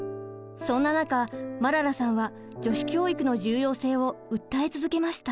そんな中マララさんは女子教育の重要性を訴え続けました。